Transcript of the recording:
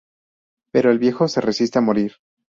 Pero el viejo se resiste a morir.